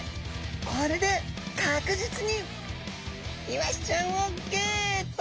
これで確実にイワシちゃんをゲット！